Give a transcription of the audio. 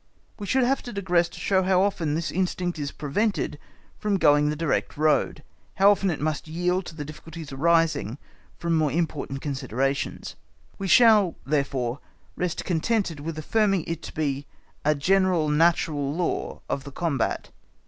We should have to digress to show how often this instinct is prevented from going the direct road, how often it must yield to the difficulties arising from more important considerations: we shall, therefore, rest contented with affirming it to be a general natural law of the combat.